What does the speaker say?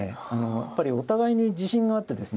やっぱりお互いに自信があってですね